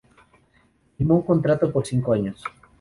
Firmó un contrato por cinco años.